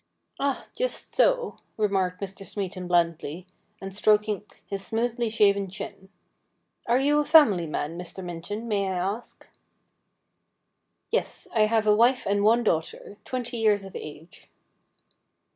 ' Ah, just so,' remarked Mr. Smeaton blandly, and stroking his smoothly shaven chin. ' Are you a family man, Mr. Minton, may I ask ?'' Yes, I have a wife and one daughter, twenty years of age.'